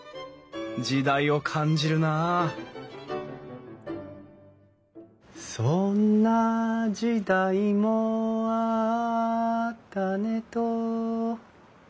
時代を感じるなあ「そんな時代もあったねと」